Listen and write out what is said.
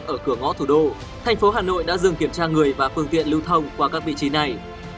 ở cửa ngõ thủ đô thành phố hà nội đã dừng kiểm tra người và phương tiện lưu thông qua các vị trí này